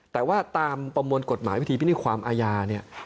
แต่ว่าตามประมวลกฎหมายวิธีพินิความอาญาเนี่ย